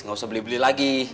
nggak usah beli beli lagi